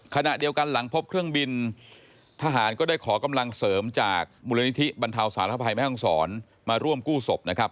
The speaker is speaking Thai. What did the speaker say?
ขณะเดียวกันหลังพบเครื่องบินทหารก็ได้ขอกำลังเสริมจากมูลนิธิบรรเทาสารภัยแม่ห้องศรมาร่วมกู้ศพนะครับ